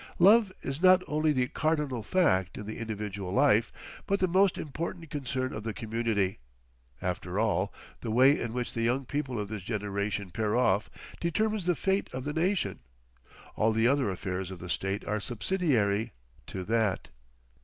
Love is not only the cardinal fact in the individual life, but the most important concern of the community; after all, the way in which the young people of this generation pair off determines the fate of the nation; all the other affairs of the State are subsidiary to that.